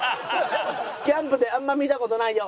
キャンプであんま見た事ないよ。